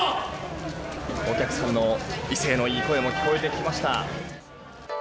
お客さんの威勢のいい声も聞こえてきました。